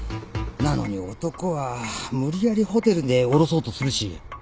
なのに男は無理やりホテルで降ろそうとするし。